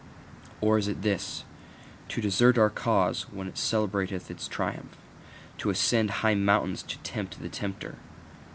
Or is it this: To desert our cause when it celebrateth its triumph? To ascend high mountains to tempt the tempter?